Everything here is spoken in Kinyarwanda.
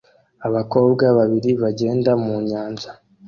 Abakobwa babiri bagenda mu nyanja